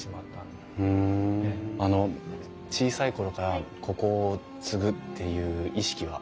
小さい頃からここを継ぐっていう意識は？